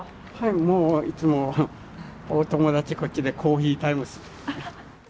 もういつもお友達こっちでコーヒータイム。